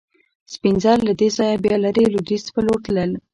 سپین زر له دې ځایه بیا لرې لوېدیځ په لور تلل.